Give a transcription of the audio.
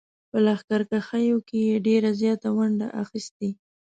په لښکرکښیو کې یې ډېره زیاته ونډه اخیستې.